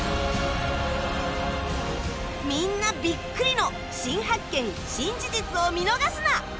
みんなビックリの新発見・新事実を見逃すな！